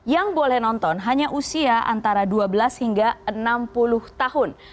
yang boleh nonton hanya usia antara dua belas hingga enam puluh tahun